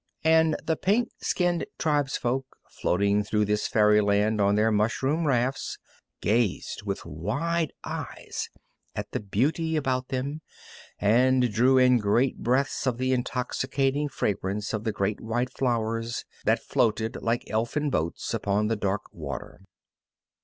And the pink skinned tribesfolk, floating through this fairyland on their mushroom rafts, gazed with wide eyes at the beauty about them, and drew in great breaths of the intoxicating fragrance of the great white flowers that floated like elfin boats upon the dark water.